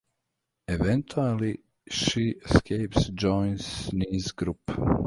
Eventually she escapes joins Nie's group.